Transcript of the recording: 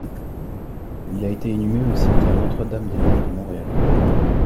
Il a été inhumé au Cimetière Notre-Dame-des-Neiges de Montréal.